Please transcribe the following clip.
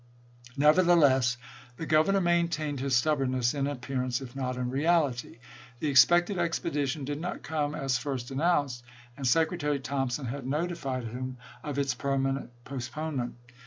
Nevertheless the Governor maintained his stub bornness in appearance if not in reality. The ex pected expedition did not come as first announced, and Secretary Thompson had notified him of its permanent postponement.